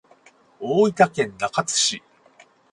大分県中津市